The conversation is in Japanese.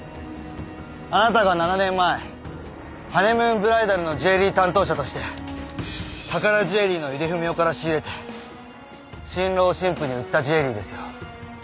あなたが７年前ハネムーンブライダルのジュエリー担当者として宝ジュエリーの井出文雄から仕入れて新郎新婦に売ったジュエリーですよ。